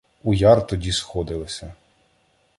У Яр тойді сходилися